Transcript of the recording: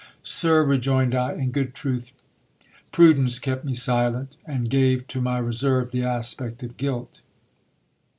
Sir, rejoined I, in good truth prudence kept me silent, and gave to my reserve the aspect of guilt.